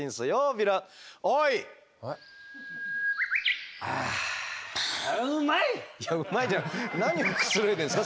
ヴィランいやうまいじゃ何をくつろいでるんですか？